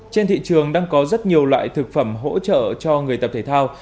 trên thị trường đang có rất nhiều loại thực phẩm hỗ trợ cho người tập thể thao